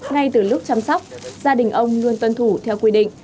ngay từ lúc chăm sóc gia đình ông luôn tuân thủ theo quy định